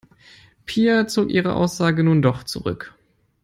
Pia zog ihre Aussage nun doch zurück.